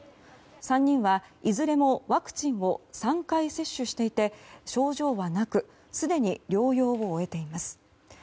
３人は、いずれもワクチンを３回接種していて症状はなくすでに療養を終えています。